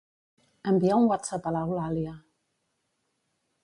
Envia un whatsapp a l'Eulàlia.